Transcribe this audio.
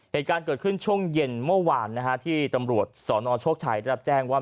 เหตุการณ์เกิดขึ้นช่วงเย็นเมื่อวานนะฮะที่ตำรวจสนโชคชัยได้รับแจ้งว่า